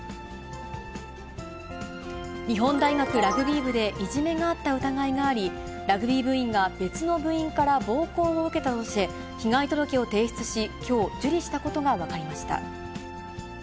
日本大学ラグビー部でいじめがあった疑いがあり、ラグビー部員が別の部員から暴行を受けたとして、被害届を提出し、きょう、受理したことが分かりました。